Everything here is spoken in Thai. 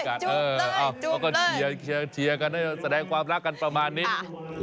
เขาก็เชียร์ความรักกันตอนนี้